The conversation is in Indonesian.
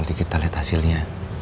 nanti kita lihat hasilnya